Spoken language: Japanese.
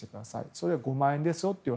それが５万円ですよと。